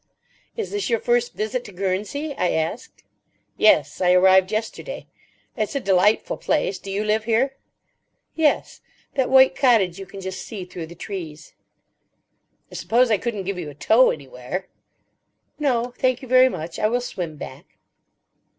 "Is this your first visit to Guernsey?" I asked. "Yes; I arrived yesterday. It's a delightful place. Do you live here?" "Yes; that white cottage you can just see through the trees." "I suppose I couldn't give you a tow anywhere?" "No; thank you very much. I will swim back."